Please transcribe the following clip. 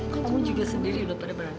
kau juga sendiri lho pada malam